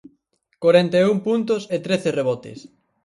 Corenta e un puntos e trece rebotes.